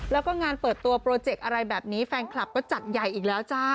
แล้วก็งานเปิดตัวโปรเจกต์อะไรแบบนี้แฟนคลับก็จัดใหญ่อีกแล้วจ้า